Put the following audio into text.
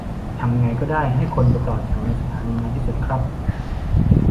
ทำไงก็ได้ให้คนไปต่อแถวในสถานีน้อยที่สุดครับ